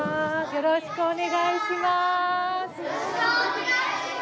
よろしくお願いします。